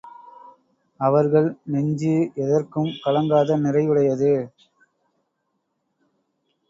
அவர்கள் நெஞ்சு எதற்கும் கலங்காத நிறை உடையது.